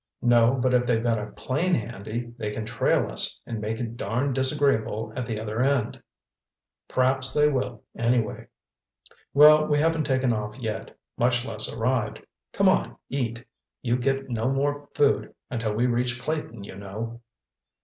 "No, but if they've got a plane handy, they can trail us and make it darned disagreeable at the other end." "P'raps they will, anyway." "Well, we haven't taken off yet—much less arrived. Come on, eat. You get no more food until we reach Clayton, you know."